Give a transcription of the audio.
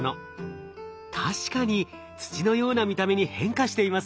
確かに土のような見た目に変化していますね。